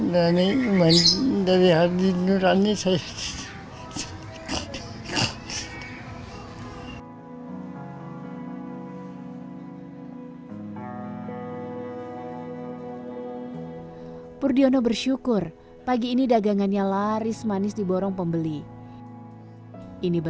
dan ini dari hati nurani saya sendiri